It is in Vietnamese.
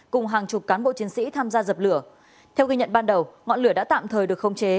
cùng hàng chục cán bộ chiến sĩ tham gia dập lửa theo ghi nhận ban đầu ngọn lửa đã tạm thời được khống chế